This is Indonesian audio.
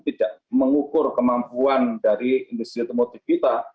tidak mengukur kemampuan dari industri otomotif kita